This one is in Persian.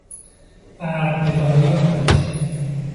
برقنگارهی ماهیچه